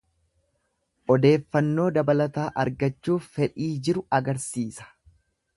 Odeeffannoo dabalataa argachuuf fedhii jiru agarsiisa.